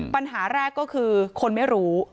ปัญหาแรกก็คือคนไม่รู้